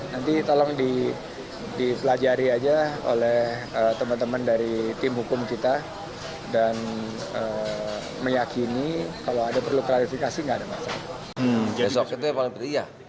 nanti tolong dipelajari aja oleh teman teman dari tim hukum kita dan meyakini kalau ada perlu klarifikasi tidak ada masalah